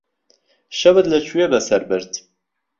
شەوت لەکوێ بەسەر برد؟